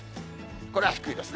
これは低いですね。